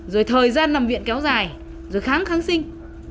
rồi thời gian nằm viện kéo dài rồi kháng kháng sinh